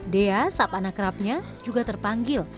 dea sab anak kerapnya juga terpanggil